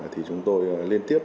thì chúng tôi liên tiếp